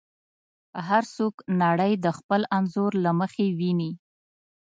هر څوک نړۍ د خپل انځور له مخې ویني.